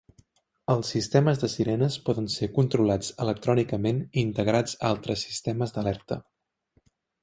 Els sistemes de sirenes poden ser controlats electrònicament i integrats a altres sistemes d'alerta.